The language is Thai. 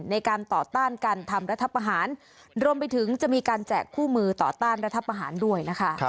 ในการต่อต้านการทำรัฐประหารรวมไปถึงจะมีการแจกคู่มือต่อต้านรัฐประหารด้วยนะคะ